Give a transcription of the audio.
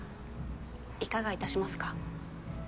いかがいたしますか？